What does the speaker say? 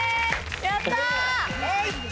やった！